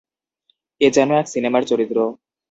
এ যেন এক সিনেমার চরিত্র।